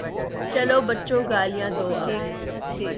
چلو بچو، گالیاں دو اب۔